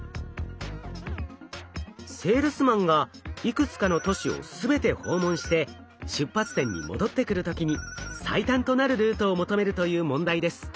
セールスマンがいくつかの都市を全て訪問して出発点に戻ってくる時に最短となるルートを求めるという問題です。